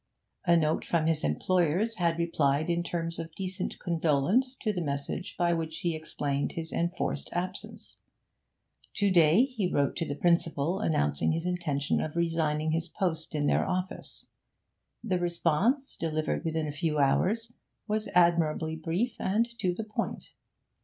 A note from his employers had replied in terms of decent condolence to the message by which he explained his enforced absence. To day he wrote to the principal, announcing his intention of resigning his post in their office. The response, delivered within a few hours, was admirably brief and to the point.